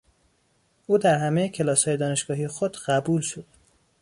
او در همهی کلاسهای دانشگاهی خود قبول شد.